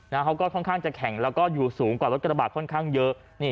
เขาก็ค่อนข้างจะแข็งแล้วก็อยู่สูงกว่ารถกระบาดค่อนข้างเยอะ